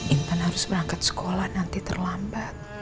intan harus berangkat sekolah nanti terlambat